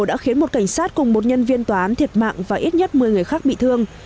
đã khiến một cảnh sát cùng một nhân viên tòa án thiệt mạng và ít nhất một mươi người khác bị thương